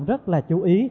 rất là chú ý